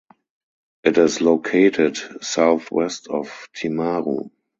It is located southwest of Timaru.